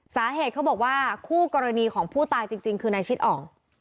สาเหตุเขาบอกว่าคู่กรณีของผู้ตายจริงคือในชิดอ๋อง